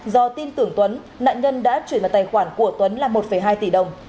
do tin tưởng tuấn nạn nhân đã chuyển vào tài khoản của tuấn là một hai tỷ đồng